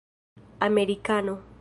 amerikano